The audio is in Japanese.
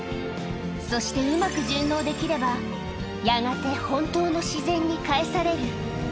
そしてうまく順応できれば、やがて本当の自然にかえされる。